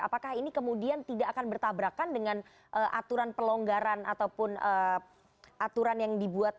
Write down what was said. apakah ini kemudian tidak akan bertabrakan dengan aturan pelonggaran ataupun aturan yang dibuat